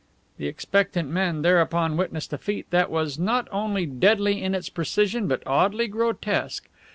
The expectant men thereupon witnessed a feat that was not only deadly in its precision but oddly grotesque.